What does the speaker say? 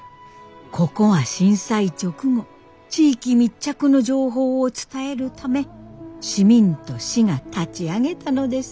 ここは震災直後地域密着の情報を伝えるため市民と市が立ち上げたのです。